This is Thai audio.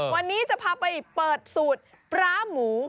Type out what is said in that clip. วันนี้จะพาไปเปิดสูตรปลาหมู